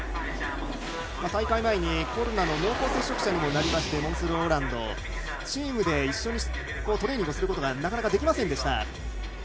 大会前にコロナの濃厚接触者にもなったモンス・ローランドチームで一緒にトレーニングをすることがなかなかできませんでした。